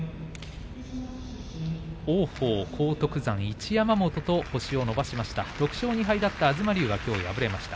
王鵬、荒篤山、一山本と星を伸ばしました。